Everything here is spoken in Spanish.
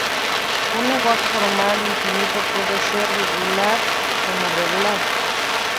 Un lenguaje formal infinito puede ser regular o no regular.